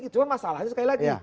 cuma masalahnya sekali lagi